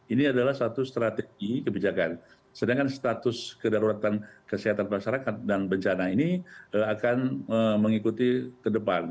ini adalah satu strategi kebijakan sedangkan status kedaruratan kesehatan masyarakat dan bencana ini akan mengikuti ke depan